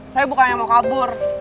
saya bukannya mau kabur